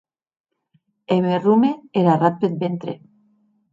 E me rome er arrat peth vrente.